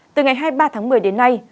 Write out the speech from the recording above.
từ ngày hai mươi ba tháng một mươi đến nay